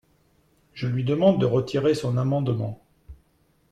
Je lui demande de retirer son amendement.